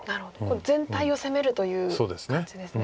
全体を攻めるという感じですね。